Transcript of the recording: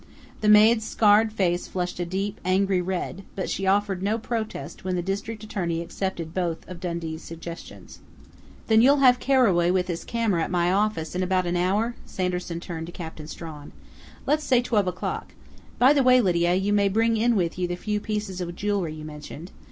The maid's scarred face flushed a deep, angry red, but she offered no protest when the district attorney accepted both of Dundee's suggestions. "Then you'll have Carraway with his camera at my office in about an hour?" Sanderson turned to Captain Strawn. "Let's say twelve o'clock. By the way, Lydia, you may bring in with you the few pieces of jewelry you mentioned.